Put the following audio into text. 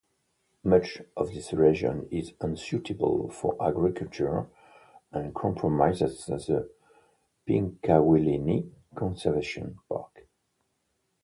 Much of this region is unsuitable for agriculture and comprises the Pinkawillinie Conservation Park.